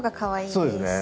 そうですね。